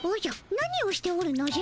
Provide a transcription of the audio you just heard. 何をしておるのじゃ？